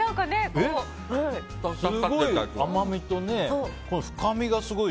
すごい、甘みとね深みがすごい。